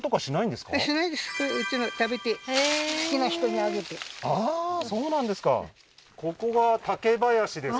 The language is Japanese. ああーそうなんですか